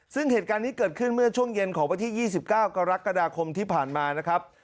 ซึ่งเหตุการณ์นี้เกิดขึ้นเมื่อช่วงเย็นของวันที่๒๙กรกฎาคมที่ผ่านมานะครับ